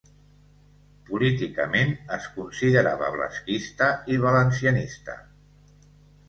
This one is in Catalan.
Políticament es considerava blasquista i valencianista.